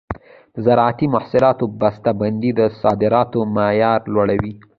د زراعتي محصولاتو بسته بندي د صادراتو معیار لوړوي.